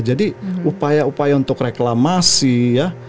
jadi upaya upaya untuk reklamasi ya